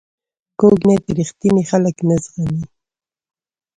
کوږ نیت رښتیني خلک نه زغمي